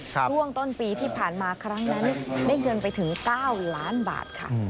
ช่วงต้นปีที่ผ่านมาครั้งนั้นได้เงินไปถึง๙ล้านบาทค่ะ